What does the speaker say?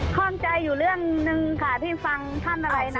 ข้องใจอยู่เรื่องหนึ่งค่ะที่ฟังท่านอะไรนะ